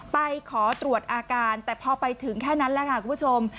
ไปขอตรวจอาการแต่พอไปถึงแค่นั้นแหละค่ะคุณผู้ชม